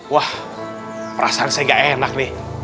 wah perasaan saya gak enak nih